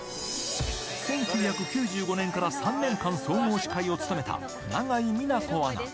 １９９５年から３年間、総合司会を務めた永井美奈子アナ。